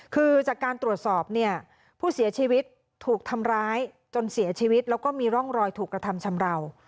คือจากการตรวจสอบเนี่ยผู้เสียชีวิตถูกทำร้ายจนเสียชีวิตแล้วก็มีร่องรอยถูกกระทำชำราว